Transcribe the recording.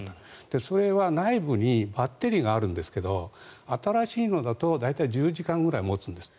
それは内部にバッテリーがあるんですが新しいのだと大体１０時間ぐらい持つんですって。